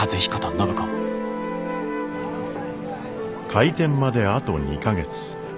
開店まであと２か月。